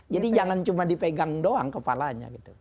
jadi jangan cuma dipegang doang kepalanya gitu